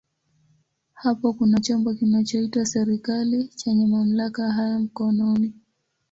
Hapo kuna chombo kinachoitwa serikali chenye mamlaka haya mkononi.